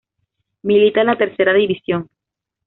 Milita en la Tercera División.